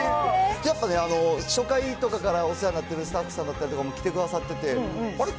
やっぱね、初回とかからお世話になってるスタッフさんとかも来てくださってて、あれ？